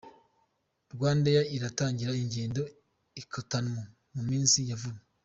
Rwandair iratangira ingendo i Cotonou mu minsi ya vuba.